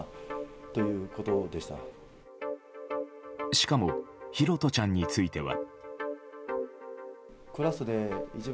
しかも拓杜ちゃんについては。